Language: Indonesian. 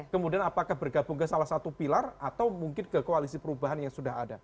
kemudian apakah bergabung ke salah satu pilar atau mungkin ke koalisi perubahan yang sudah ada